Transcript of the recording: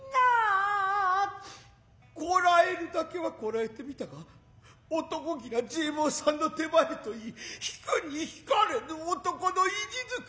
堪えるだけは堪えてみたが男気な治右衛門さんの手前と言い引くに引かれぬ男の意地づく